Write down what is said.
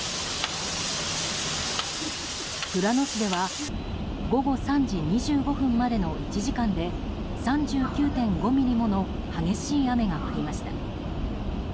富良野市では午後３時２５分までの１時間で３９．５ミリもの激しい雨が降りました。